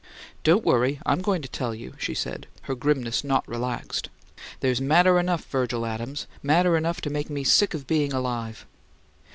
"Don't worry: I'm going to tell you," she said, her grimness not relaxed. "There's matter enough, Virgil Adams. Matter enough to make me sick of being alive!"